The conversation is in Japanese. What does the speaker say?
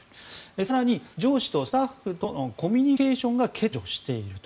更に、上司とスタッフとのコミュニケーションが欠如していると。